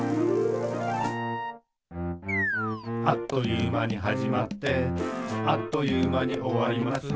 「あっという間にはじまってあっという間におわります」